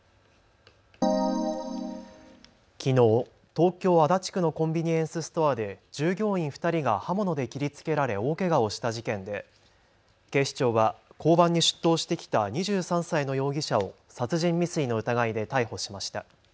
きのう、東京足立区のコンビニエンスストアで従業員２人が刃物で切りつけられ大けがをした事件で警視庁は交番に出頭してきた２３歳の容疑者を殺人未遂の疑いで逮捕しました。